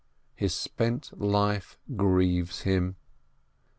His spent life grieves him.